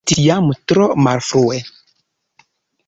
Estis jam tro malfrue.